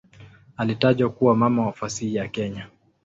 Alitajwa kuwa "mama wa fasihi ya Kenya".